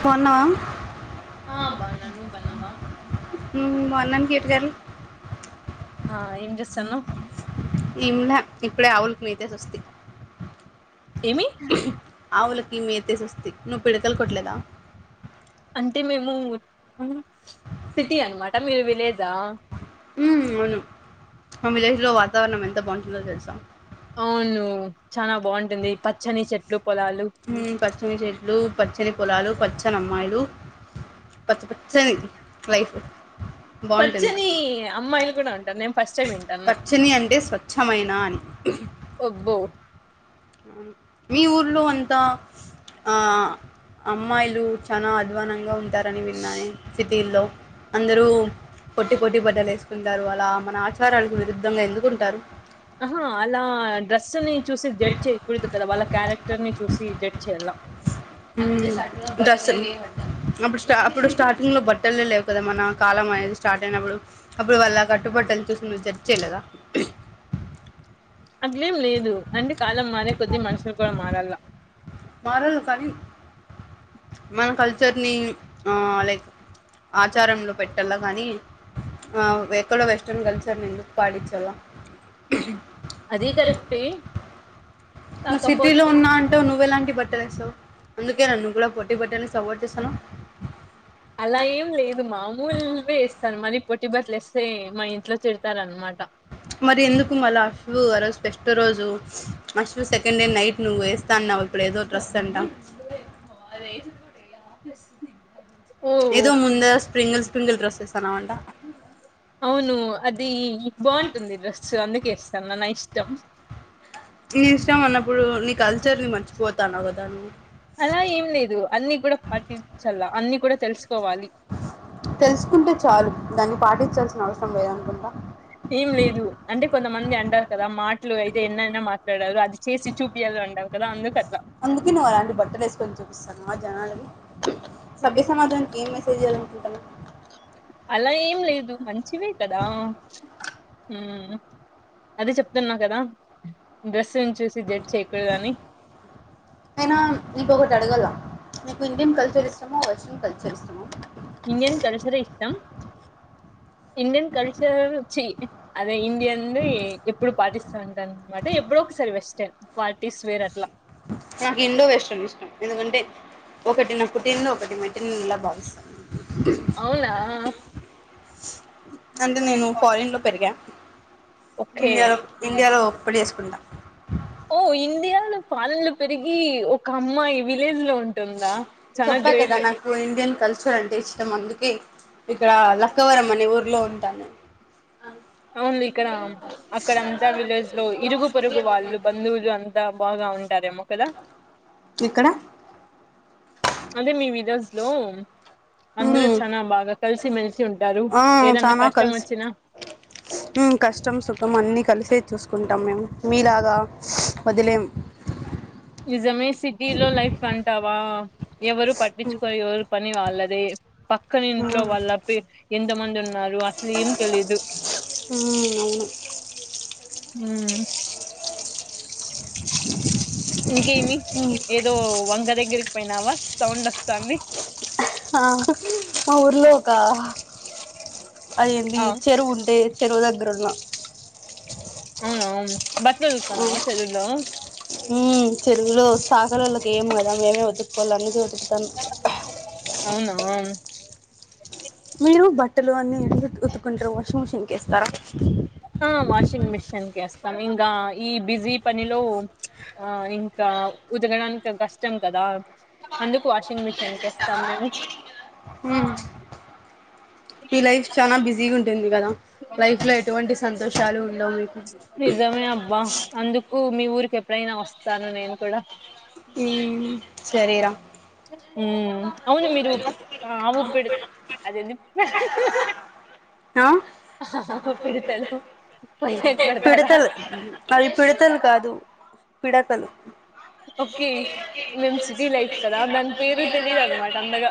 బాన్నవా ఆ బాగున్నా నువ్వు బాగున్నావా హ్మ్ బాన్నాన్ మీ జరు ఆ ఏం చేస్తాన్నావ్ [unintelligible] ఇప్పుడే ఆవులకి మే ఇచ్చేసోస్తీ ఏమి ఆవులకి మేతేేసి వస్తి నువ్వు పిడకలు కొట్లేదా అంటే మేము సిటీ అనమాట మీరు విలేజా హ్మ్ అవును మా విలేజ్ లో వాతావరణం ఎంత బాగుంటుందో తెలుసా అవును చానా బాగుంటుంది పచ్చని చెట్లు పొలాలు హ్మ్ పచ్చని చెట్లు పచ్చని పొలాలు పచ్చని అమ్మాయిలు పచ్చ పచ్చని లైఫ్ బాగుంటుంది పచ్చని అమ్మాయిలు కూడా ఉంటనే ఫస్ట్ టైం వింటన్నా పచ్చని అంటే స్వచ్ఛమైన అని అబ్బో అవును. మీ ఊర్లో అంతా ఆ అమ్మాయిలు చానా అధ్వానంగా ఉం తరని విన్నానే సిటీలో అందరూ పోట్టి పోట్టి బట్టలు వేసుకుంటారు అలా మన ఆచారాలకు విరుద్ధంగా ఎందుకుంటారు ఆహా అలా డ్రెస్ ని చూసి జడ్జి చేయకూడదు కదా వాళ్ళ క్యారెక్టర్ ని చూసి జడ్జి చేయలా హ్మ్ డ్రెస్ అప్పుడు స్టా అప్పుడు స్టార్టింగ్ లో బట్టలు లేవు కదా మన కాలమై స్టార్ట్ అయినప్పుడు అప్పుడు వాళ్ళ కట్టుబట్టలు చూసి జడ్జి చేయలేదా అట్లేం లేదు అంటే కాలం మారే కొద్ది మనుషులు కూడా మారల్ల మారల్ల కానీ మన కల్చర్ని లైక్ ఆచారంలో పెట్టాల కానీ ఆ ఎక్కడో వెస్ట్రన్ కల్చర్ని ఎందుకు పాటించాల అది కరెక్ట్ ఎ నువ్వు సిటీలో ఉన్నా అంటావ్ నువ్వు ఎలాంటి బట్టలేస్తవు అందుకే నువ్వు కూడా పోట్టి బట్టలని సపోర్ట్ చేస్తానవ్ అలా ఏం లేదు మామూలు వేస్తాను మరి పొట్టిబాట్టలు వేస్ స్తే మా ఇంట్లో తిడతారునమాట మరి ఎందుకు మళ్ళా అషు ఆ రోజు ఫెస్ట్ రోజు మస్తురు సెకండ్ డే నైట్ నువ్వు వేస్తా అన్నావ్ ఇప్పుడు ఏదో డ్రెస్ అంట కాదే వేసుడుకూడా వేయరా ఓ ఇదో ముంద స్ప్రింగల్ స్ప్రింగల్ డ్రెస్సెస్ అవును అది బాగుంటుంది డ్రెస్సు అందుకే ఎస్తానా నా ఇష్ ష్టం నీ ఇష్టం అన్నప్పుడు నీ కల్చర్ ని మర్చిపోతాను కదా నువ్వు అలా ఏం లేదు అన్ని కూడా పాటించాల అన్ని కూడా తెలుస్ తెలుసుకుంటే చాలు దాన్ని పాటించాల్సిన అవసరం లేదనుకుంటా ఏం లేదు అంటే కొంతమంది అంటారు కదా మాటలు అయితే ఎన్నైనా మాట్లాడారు అది చేేసి చూపియాలే ఉండవు అందుకే నువ్వు అలాంటి బట్టలు వేసుకొని చూపిస్తావు ఆ జనాకు సభ్య సమాధాననికి ఏం మెసేజ్ ఇవ్వాలనుకుంటున్నావు అలా ఏం లేదు మంచివే కదా ఊ అదే చెప్తున్నా కదా డ్రెస్సు చూసి జట్ చేయకూడద అని అయినా నీపు ఒకటి అడగల నీకు ఇండియన్ కల్చర్ ఇష్టమ వెస్టన్ కల్చర్ ఇష్టమా ఇండియన్ కల్చర్ ఇష్టం ఇండియన్ కల్చర్ చి అదే ఇండియన్ ఎప్పుడు పాటిస్తుంటన్నమాట అప్పుడో ఒకసారి వెస్న్ పార్టీస్ వేర్ అట్లా నాకు ఇండియా వెస్ట్రన్ ఇష్టం ఎందుకంటే ఒకటి పుట్టిల్లు ఒకటి మెట్టినిల్లుల భావిస్తాను అవునా అంటే నేను ఫారిన్ లో పెరిగా ఓకే ఇండియా ఇండియాలో పెళ్లి చేేసుకుంట ఓ ఇండియా పెరిగి ఒక అమ్మాయి విలేజ్ లో ఉంటుందా చానా చెప్పా కదా గ్రేట్ నాకు ఇండియా కల్చర్ అంటే ఇష్టం అందుకే ఇక్కడ లక్కవరం అనే ఊర్లో ఉంటాను అవును ఇక్కడ అక్కడంతా విలేజ్ లో ఇరుగు పరుగు వాళ్ళు బంధువులు అంతా బాగా ఉంటారేమో కదా ఇక్కడ అదే మీ విలేజ్ లో అందరూ ఉమ్, చాల బాగా కలిసిమెలిసి ఉంటారు ఆ ఏదన్నా చానా కష్టం కలిసి వచ్చినా కష్టం సుఖం అన్నీ కలిసే చూసుకుంటాం మేము మీలాగా వదిలేం నిజమే సిటీలో లైఫ్ అంటావా ఎవరు ఉమ్, పట్టించుకో ఎవరు పని వాళ్ళదే పక్కన ఇంట్లో ఉమ్. వాళ్ళ ఎంత మంది ఉ న్నారు అసలు ఏం తెలిదు ఉమ్, వాటర్ సౌండ్ ఇంకేమి ఏదో వంక దగ్గరికి పోయినావా సౌండ్ వస్తాంది ఆ మా ఊరిలో ఒక అదేంది ఆ ఒక చెరువు ఉంటే చెరువు దగ్గర ఉన్నా బట్టల ఉతుకుతున్నావా చెరువులో చెరువులో చాకలిలకు వేయం కదా అందుకే మేమే వతుక్కకోవాల అనేది ఉతుకుతున్న అవునా మీరు బట్టలు అన్ని ఉతుకుంటారు వాషింగ్ మిషిన్ ఆ వాషింగ్ మిషిన్ వస్తాం ఇంకా ఈ బిజీ పనిలో ఆ ఇంకా ఉతకడానికి కష్టం కదా అందుకు వాషింగ్ మిషిన్ కేస్తాం మేము ఊ ఈ లైఫ్ చాలా బిజీ ఉంది సంతోషాలు ఉండవు మీకు నిజమే అబ్బా అందుకు మీ ఊరికి ఎప్పుడైనా వస్తాను నేను కూడా ఉ సరే రా అవును మీరు ఆవుకు అది ఆ? ఏది తెలుసు పిడతలు అవి పిడతలు కాదు పిడకలు ఓకే మేము సిటీ లైఫ్ కదా దాని పేరు తెలిదు అన్నమాట అంతగా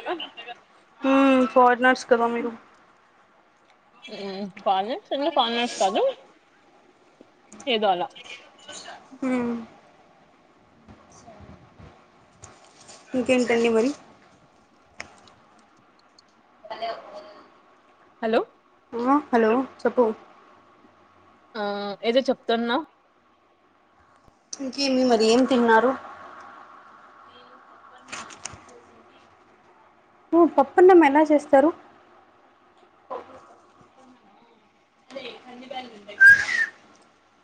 ఉ ఫారినర్స్ కదా మీరు ఫారినర్స్ అన్న ఫార్నర్స్ కాదు ఏదో అలా ఉ ఇంకేంటండి మరి పందెయో ఉ హలో ఉవా హలో చెప్పు ఆ ఏదో చెప్తున్నావ్ ఇంకేమి మరి ఏం తిన్నారు? అ ఓ పప్పన్నం ఎలా చేస్తారు? అదే కంది బెల్లు ఉంటాయి [inaudible]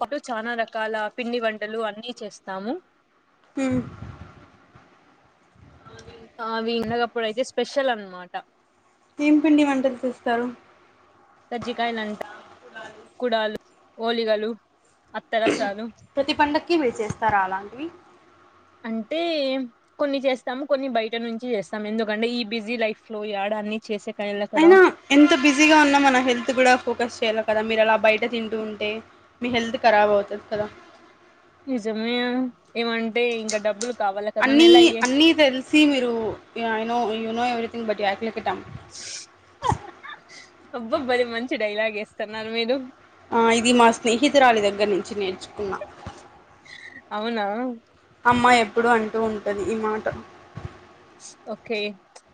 పప్పుల్ చానా రకాల పిండి వంటలు అన్ని చేస్తాము. హూ ఆవి ఇండకప్పుడు అయితే స్పెషల్ అన్నమాట. ఏం పిండి వంటలు చేస్తారు? కజ్జికయలంట, కుడాలు, ఓలిగలు, అత్తరస్ ప్రతి పండక్కి మీరు చేస్తారా అలాంటివి అంటే కొన్ని చేస్తాము, కొన్ని బయట నుంచి చేస్తాము ఎందుకంటే ఈ బిజీ లైఫ్ లో యాడ అన్ని చేసే కాయల కదా అయినా ఎంత బిజీగా ఉన్నా మన హెల్త్ కూడా ఫోకస్ చేయాలి కదా మీరు ఎలా బయట తింటూ ఉంటే. మీ హెల్త్ కరాబ్ అవుతది కదా. నిజమే ఏమంటే ఇంక డబ్బులు కావాల కదా అన్ని నెల అయ్యే అన్ని తెలిసి మీరు య I know you know everything but as like a dump అబ్బ మంచి డైలాగ్ ఎస్తున్నారు మీరు ఆ ఇది మా స్నేహితురాలి దగ్గర నుంచి నేర్చుకున్నా. అవునా అమ్మ ఎప్పుడు అంటూ ఉంటది ఈ మాట ఒకే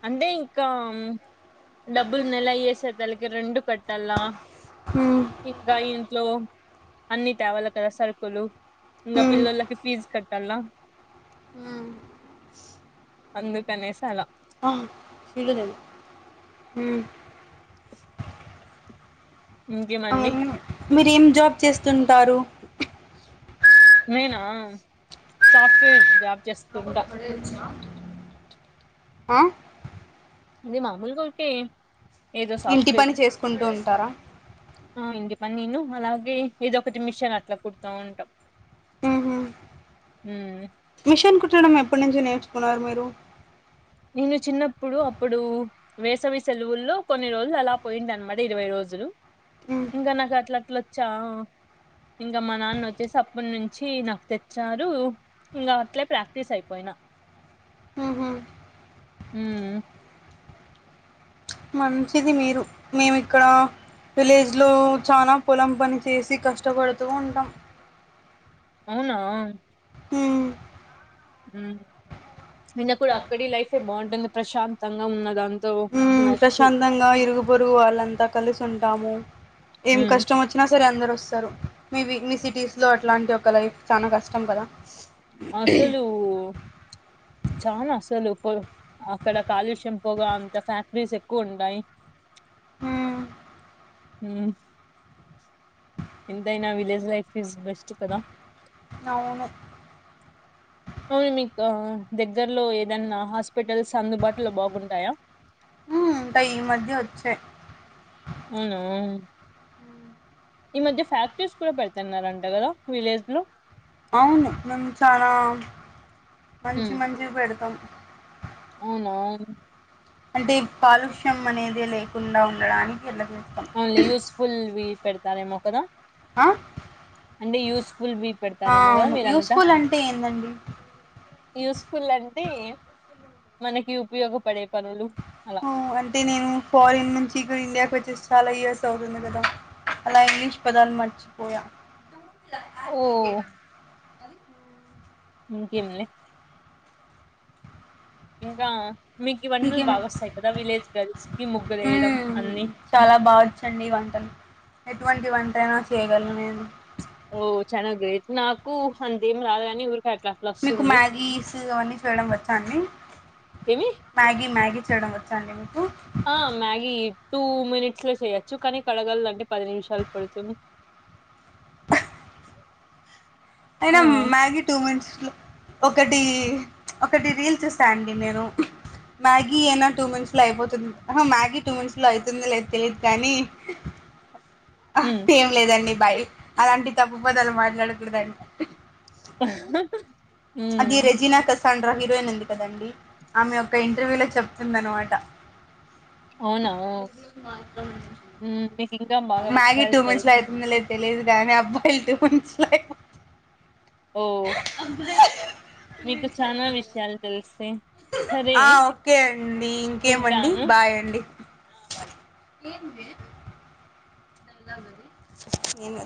అంటే ఇంకామ్ డబ్బుల్ నెల అయ్యే సద్దలకే రెండు కట్టలా మ్ ఇంకా ఇంట్లో అన్ని తేవాలి కదా సరుకులు ఇంకా మ్ పిల్లొలకి ఫీజు కట్టాల అందుకనేసి అలా ఆహ దిగదేమో హూ ఇంకేమండి అవును మీరు ఏం జాబ్ చేస్తుంటారు? నేనా సాఫ్ట్‌వేర్ జాబ్ చేస్తుంటా. అ ఇది మామూలుగ ఉరుకే ఇంటి పని చేసుకుంటూ ఉంటారా. ఆ ఇంటి పని నేను అలాగే ఇదోకటి మిషన్ అట్లా కుడుతా ఉంటా. ఉహు మిషన్ కుట్టడం ఎప్పటి నుంచి నేర్చుకున్నారు మీరు? నేను చిన్నప్పుడు అప్పుడు వేసవి సెలవుల్లో కొన్ని రోజులు అలా పోయింది అనమాట ఇరవై రోజులు. ఇంకా నాకు అట్లా అట్లట్లోచ్చా ఇంకా మా నాన్న వచ్చేసి అప్పునుంచి నాకు తెచ్చారు. ఇంకా అట్లే ప్రాక్టీస్ అయిపోయిన ఉహ ఉమ్ మంచిది మీరు మేము ఇక్కడ విలేజ్ లో చానా పొలం పని చేసి కష్టపడుతూ ఉంటాం. అవునా ఉమ్ హు ప్రశాంతంగా ఉన్న దాంతో హూ తినచ్చు ప్రశాంతంగా ఇరుగు పొరుగు వాళ్ళంతా కలిసి ఉంటాము ఏం ఉమ్ కష్టం వచ్చినా సరే అందరూ వస్తారు మీవి మీ సిటీస్‌లో అట్లాంటి ఒక లైఫ్ చానా కష్టం కదా అసలు చానా అసలు పో అక్కడ కాలుష్యం, పొగ అంతా ఫ్యాక్టరీస్ ఎక్కువ ఉంటాయి హూ ఉమ్ ఎంతయినా విలేజ్ లైఫ్ ఇస్ బెస్ట్ కదా అవును. అను మీకా దగ్గరలో ఏదన్నా హాస్పి హాస్పిటల్స్ అందుబాటులో బాగుంటాయా హ్మ్. ఇంకా ఈ మధ్య వచ్చాయి. అవును హ్మ్. ఈ మధ్య ఫ్యాక్టరీస్ కూడా పెడుతున్నారంట కదా విలేజ్ లో అవును. మేము చాలా మంచి ఉమ్, మంచి పెడతాం అవునా అంటే కాలుష్యం అనేది లేకుండా ఉండడానికి ఇట్లా చేస్తాం. న్లీ యూస్ఫుల్వి పెడతారేమో ఒకదా ఆ వి అ పెడతారేమో కదా అవును మీరంతా యూస్ఫుల్ అంటే ఏందండి యూస్ఫుల్ అంటే మనకి ఉపయోగపడే పనులు అలా అంటే నేను ఫారిన్ నుంచి చక ఇండియాకి వచ్చేసి చాలా ఇయర్స్ అవుతుంది కదా అలా ఇంగ్లీష్ పదాలు మర్చిపోయా ఆ ఓ ఇకేంలే ఇంకా మీకు వంటలు మీకేం బాగాస్తాయి కదా విలేజ్ గర్ల్స్ కి ముగ్గులు వేయడం అన్ని లా బావచ్చండి ఈ వంటను ఎటువంటి వంటయినా చేయగలను నేను ఓ చానా గ్రేట్ నాకు అంతేం రాదుగాని మీకు మ్యాగీస్ అవన్నీ చేయడం వచ్చా అండి ఏమి మ్యాగీ మ్యాగీ చేయడం వచ్చా అండి మీకు ఆ మ్యాగీ టూ మినిట్స్ లో చేయొచ్చు కానీ కడగలంటే పది నిమిషాలు పడుతు ఆ అయినా మ్యాగీ టూ మినిట్స్ లో ఒకటి ఒకటి రీల్స్స్తాండి ఎన్నను మ్యాగీ అయినా టూ మింత్స్ లో అయిపోతుంది మ్యాగీ టూ మింత్స్ లో అవుతుంది లేదు తెలీయదు కానీ ఆ ఉమ్ ఏం లేదండి బాయ అలాంటి తప్పుబదాలు మాట్లాడకూడదండి ఆ అది రెజీనా కసాండ రంగ నంది కదండి ఆమె య ఒకక్క ఇంటర్వ్యూ లో చెప్తుంది అనమాట అవునాఓ మ్యాగీ టూ మంత్స్ లో అవుతుంది లేదు తెలీయదు కాగానీ అబ్బాయిలు టూ మంత్స్ లో అయి ఓ మీకు చనా విషయాలు తెలుస్తే ఆ ఓకే అండి ఇంకేమండి ఉంటాను బాయ్ అండి ఏంటి మరి నేను